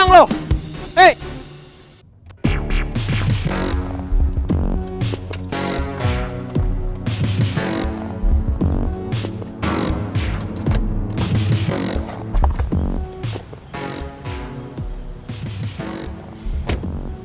tunggu nanti aku nunggu